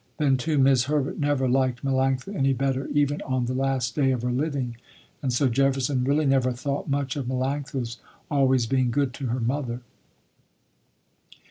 Then too, 'Mis' Herbert never liked Melanctha any better, even on the last day of her living, and so Jefferson really never thought much of Melanctha's always being good to her mother.